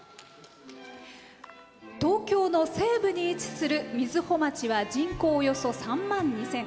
東京の西部に位置する瑞穂町は人口およそ３万２０００。